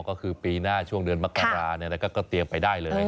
ก็คือปีหน้าช่วงเดือนมกราก็เตรียมไปได้เลย